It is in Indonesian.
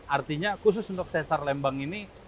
artinya khusus untuk sesar lembang ini